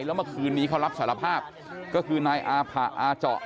แล้วเมื่อคืนนี้เขารับสารภาพก็คือนายอาผะอาเจาะ